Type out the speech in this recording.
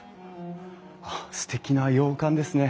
あっすてきな洋館ですね。